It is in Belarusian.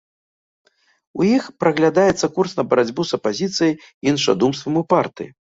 У іх праглядаецца курс на барацьбу з апазіцыяй і іншадумствам у партыі.